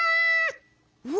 うわ！